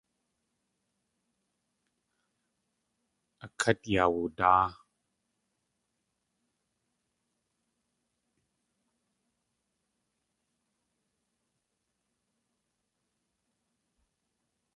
A kát yaawadáa.